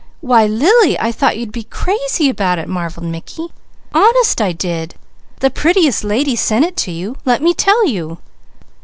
"Why Lily! I thought you'd be crazy about it," marvelled Mickey. "Honest I did! The prettiest lady sent it to you. Let me tell you!"